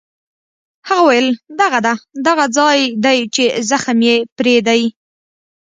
هغه وویل: دغه ده، دغه ځای دی چې زخم یې پرې دی.